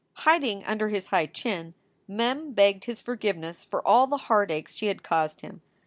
Hiding under his high chin, Mem begged his forgiveness for all the heartaches she had caused him.